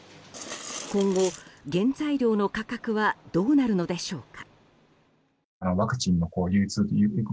今後、原材料の価格はどうなるのでしょうか。